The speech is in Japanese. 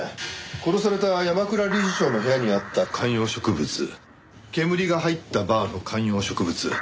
殺された山倉理事長の部屋にあった観葉植物けむりが入ったバーの観葉植物